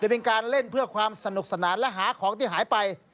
เป็นการเล่นเพื่อความสนุกสนานและหาของที่หายไป